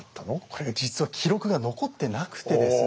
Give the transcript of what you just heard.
これが実は記録が残ってなくてですね。